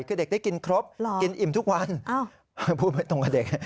คือเด็กได้กินครบกินอิ่มทุกวันพูดไม่ตรงกับเด็ก